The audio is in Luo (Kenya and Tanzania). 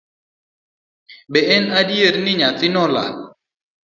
Be en adier ni nyathino olal